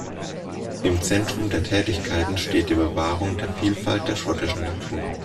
Im Zentrum der Tätigkeiten steht die Bewahrung der Vielfalt der schottischen Natur.